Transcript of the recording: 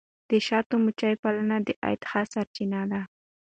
د شاتو مچیو پالنه د عاید ښه سرچینه ده.